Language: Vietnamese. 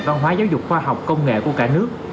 văn hóa giáo dục khoa học công nghệ của cả nước